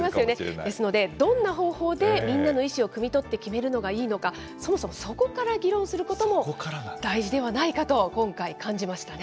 ですので、どんな方法でみんなの意思をくみ取って決めるのがいいのか、そもそもそこから議論することも大事ではないかと、今回感じましたね。